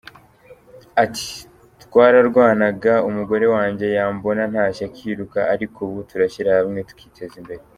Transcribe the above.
Ati’Twararwanaga, umugore wanjye yambona ntashye akiruka, ariko ubu turashyira hamwe tukiteza imbere”.